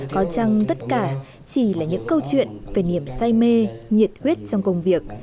có chăng tất cả chỉ là những câu chuyện về niềm say mê nhiệt huyết trong công việc